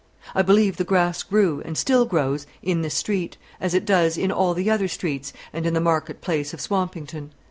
I believe the grass grew, and still grows, in this street, as it does in all the other streets and in the market place of Swampington.